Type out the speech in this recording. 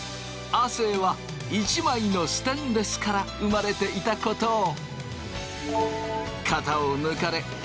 亜生は一枚のステンレスから生まれていたことを。